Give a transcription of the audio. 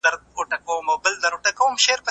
ټکنالوژي به مرسته وکړي.